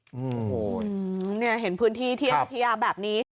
โอ้โฮนี่เห็นพื้นที่เทียบแบบนี้